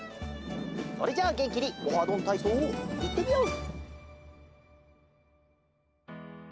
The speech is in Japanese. それじゃあげんきに「オハどんたいそう」いってみよう！